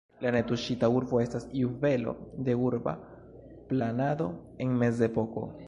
La netuŝita urbo estas juvelo de urba planado en mezepoko.